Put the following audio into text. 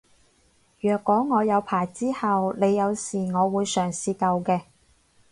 若果我有牌之後你有事我會嘗試救嘅